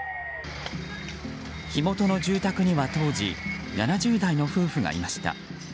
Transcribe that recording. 火元の住宅には当時７０代の夫婦がいました。